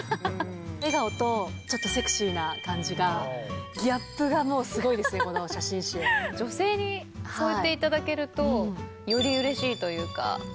笑顔とちょっとセクシーな感じが、ギャップがもうすごいです、女性にそう言っていただけると、よりうれしいというか。